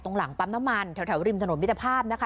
หลังปั๊มน้ำมันแถวริมถนนมิตรภาพนะคะ